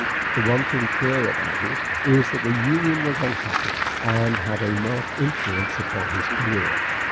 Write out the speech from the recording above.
The one thing clear about it is that the union was unhappy, and had a marked influence upon his career.